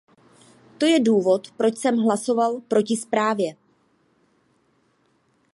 To je důvod, proč jsem hlasoval proti zprávě.